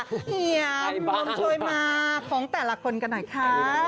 เหียมบุญช่วยมาของแต่ละคนกันหน่อยค่ะ